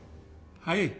はい。